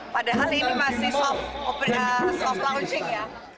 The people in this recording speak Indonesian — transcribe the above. padahal ini masih soft launching ya